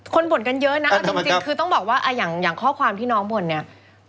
บ่นกันเยอะนะเอาจริงคือต้องบอกว่าอย่างข้อความที่น้องบ่นเนี่ย